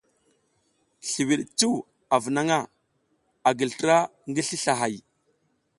Sliwiɗ cuw avunaƞʼha, a gi slra ngi sli slahay.